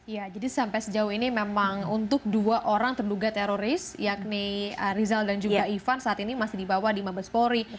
ya jadi sampai sejauh ini memang untuk dua orang terduga teroris yakni rizal dan juga ivan saat ini masih dibawa di mabespori